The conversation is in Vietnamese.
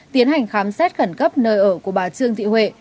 tiến hành khám xét khẩn cấp nơi ở của bà trương thị huệ